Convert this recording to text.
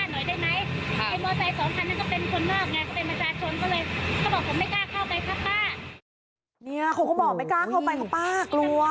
เนี่ยเขาก็บอกว่าไม่กล้าเข้าไปครับป้ากลัว